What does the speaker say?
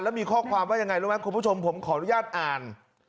แล้วมีข้อความว่ายังไงรู้ไหมคุณผู้ชมผมขออนุญาตอ่าน